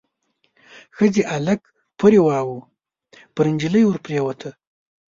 ښځې هلک پوري واهه، پر نجلۍ ور پريوته.